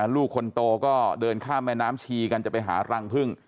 ลูกคนโตก็เดินข้ามแม่น้ำชีกันจะไปหารังพึ่ง